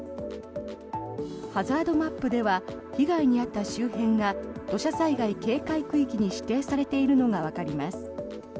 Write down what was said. ハザードマップでは被害に遭った周辺が土砂災害警戒区域に指定されているのがわかります。